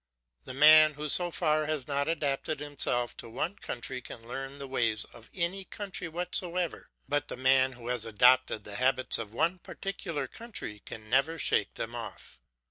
The man who so far has not adapted himself to one country can learn the ways of any country whatsoever; but the man who has adopted the habits of one particular country can never shake them off.